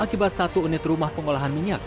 akibat satu unit rumah pengolahan minyak